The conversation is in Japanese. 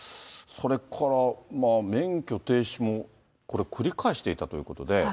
それからまあ、免許停止もこれ、繰り返していたということで。